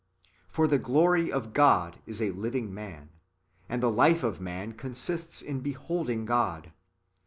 For the glory of God is a livincr man ; and the life of man consists in beholdincp God.